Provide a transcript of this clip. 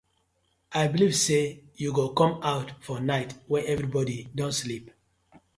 I belive say yu go com out for night wen everibodi don sleep.